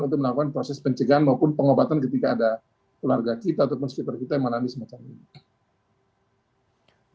untuk melakukan proses pencegahan maupun pengobatan ketika ada keluarga kita ataupun sweeper kita yang mengalami semacam ini